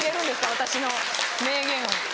私の名言を。